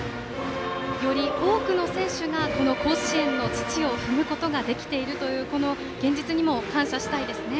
より多くの選手がこの甲子園の土を踏むことができているという現実にも感謝したいですね。